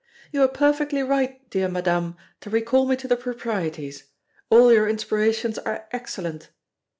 "You are perfectly right, dear Madame, to recall me to the proprieties. All your inspirations are excellent."